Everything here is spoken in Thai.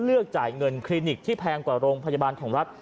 เลือกจ่ายเงินคลินิกที่แพงกว่าโรงพยาบาลของรัฐ